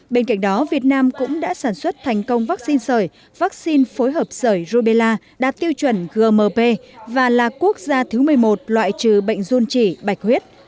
bên cạnh đó việt nam cũng đã sản xuất thành công vaccine sởi vaccine phối hợp sởi rubella đạt tiêu chuẩn gmp và là quốc gia thứ một mươi một loại trừ bệnh dôn chỉ bạch huyết